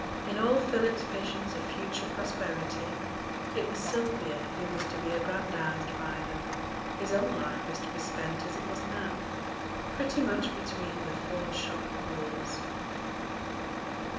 In all Philip's visions of future prosperity, it was Sylvia who was to be aggrandized by them; his own life was to be spent as it was now, pretty much between the four shop walls.